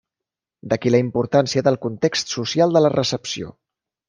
D'aquí la importància del context social de la recepció.